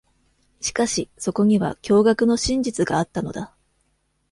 しかし、そこには驚愕の真実があったのだ。